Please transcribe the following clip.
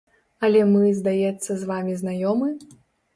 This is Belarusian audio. Але мы, здаецца, з вамі знаёмы?